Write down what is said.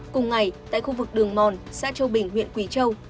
cùng ngày tại khu vực đường mòn xã châu bình huyện quỳ châu